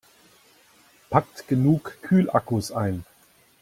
Packt genug Kühlakkus ein!